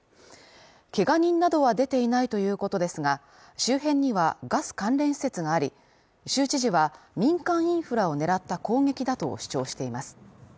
けが人などは出ていないということですが、周辺にはガス関連施設があり州知事は、民間インフラを狙った攻撃だと主張しています。